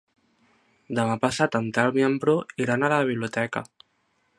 Demà passat en Telm i en Bru iran a la biblioteca.